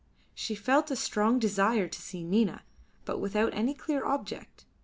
She felt a strong desire to see Nina, but without any clear object.